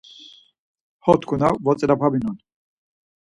Ho tkuna votzilapaminon.